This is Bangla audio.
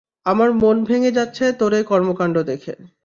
আমার মন ভেঙে যাচ্ছে তোর এই কর্মকান্ড দেখে।